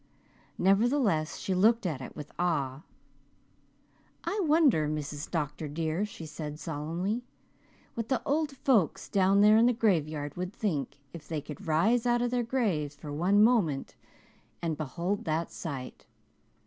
Nevertheless, she looked at it with awe. "I wonder, Mrs. Dr. dear," she said solemnly, "what the old folks down there in the graveyard would think if they could rise out of their graves for one moment and behold that sight.